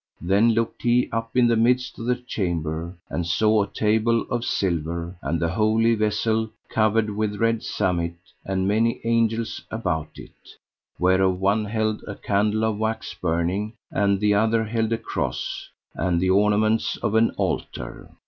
Then looked he up in the midst of the chamber, and saw a table of silver, and the Holy Vessel, covered with red samite, and many angels about it, whereof one held a candle of wax burning, and the other held a cross, and the ornaments of an altar.